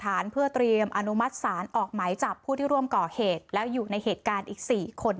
เพื่อเตรียมอนุมัติศาลออกหมายจับผู้ที่ร่วมก่อเหตุแล้วอยู่ในเหตุการณ์อีก๔คน